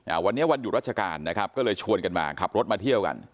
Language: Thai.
วันนี้วันหยุดราชการนะครับก็เลยชวนกันมาขับรถมาเที่ยวกัน